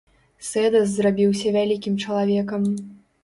Сэдас зрабіўся вялікім чалавекам.